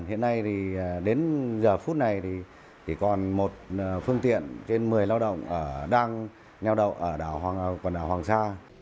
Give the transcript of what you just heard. hiện nay đến giờ phút này thì còn một phương tiện trên một mươi lao động đang neo đậu ở quận đảo hoàng sa